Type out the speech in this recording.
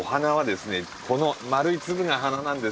この丸い粒が花なんです。